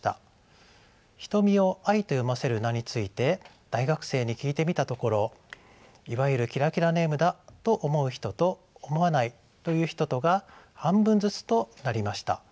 「瞳」を「アイ」と読ませる名について大学生に聞いてみたところいわゆるキラキラネームだと思う人と思わないという人とが半分ずつとなりました。